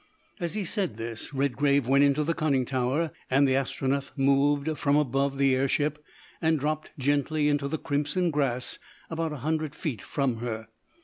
As he said this Redgrave went into the conning tower, and the Astronef moved from above the air ship, and dropped gently into the crimson grass about a hundred feet from her.